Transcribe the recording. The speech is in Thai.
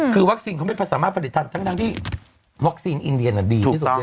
คือวัคซีนเขาไม่สามารถผลิตทันทั้งที่วัคซีนอินเดียดีที่สุดเลย